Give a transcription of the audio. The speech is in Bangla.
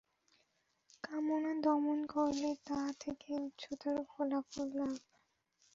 কামনা দমন করলে তা থেকে উচ্চতম ফললাভ হয়।